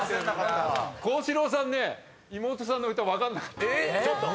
幸四郎さんね妹さんの歌分かんなかった。